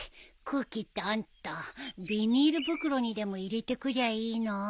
空気ってあんたビニール袋にでも入れてくりゃいいの？